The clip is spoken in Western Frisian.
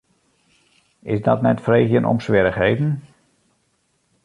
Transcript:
Is dat net freegjen om swierrichheden?